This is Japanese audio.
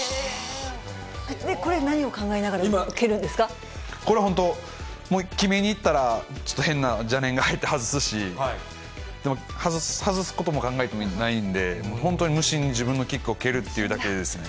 これ、これは本当、決めにいったらちょっと変な邪念が入って外すし、でも、外すことも考えてもいないんで、もう本当に無心、自分のキックを蹴るっていうだけですね。